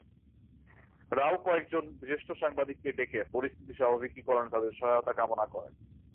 রাও কয়েকজন জ্যেষ্ঠ সাংবাদিককে ডেকে পরিস্থিতি স্বাভাবিকীকরণে তাঁদের সহায়তা কামনা করেন।